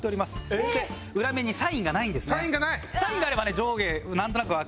そして裏面にサインがないんですね。